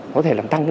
có thể làm tăng bệnh